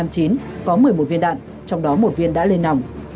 có một mươi một viên đạn trong đó một viên đã lên nòng